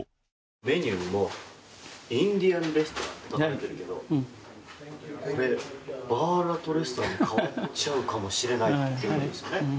メニューにもインディアンレストランと書かれているけどこれ、バーラトレストランに変わっちゃうかもしれないということですよね。